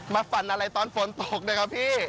มาปั่นอะไรตอนฝนตกนะครับพี่